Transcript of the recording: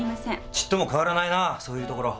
ちっとも変わらないなそういうところ。